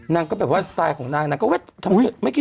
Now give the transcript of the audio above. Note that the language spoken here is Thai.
นางก็แบบว่าสไตล์ของนางนะ